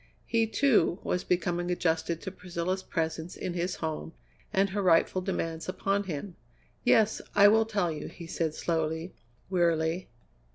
He, too, was becoming adjusted to Priscilla's presence in his home and her rightful demands upon him. "Yes, I will tell you," he said slowly, wearily.